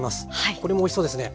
これもおいしそうですね。